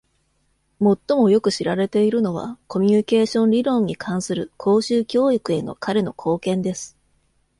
最もよく知られているのは、コミュニケーション理論に関する公衆教育への彼の貢献です。